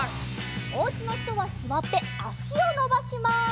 おうちのひとはすわってあしをのばします。